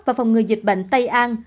và phòng ngừa dịch bệnh tây an